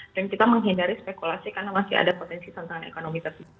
dan kita menghindari spekulasi karena masih ada potensi tantangan ekonomi tersebut